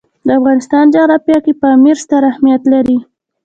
د افغانستان جغرافیه کې پامیر ستر اهمیت لري.